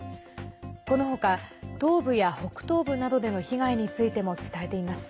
このほか、東部や北東部などでの被害についても伝えています